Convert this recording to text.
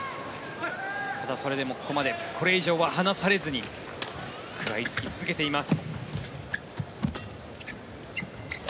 ただ、それでもここまでこれ以上は離されずに食らいつき続けています。